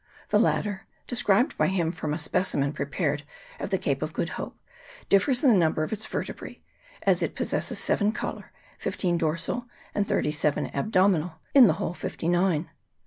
The latter, described by him from a specimen pre pared at the Cape of Good Hope, differs in the num ber of its vertebrae, as it possesses seven collar, fifteen dorsal, and thirty seven abdominal; in the whole fifty nine.